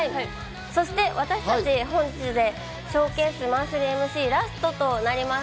そして私たち、本日でＳＨＯＷＣＡＳＥマンスリーＭＣ、ラストとなります。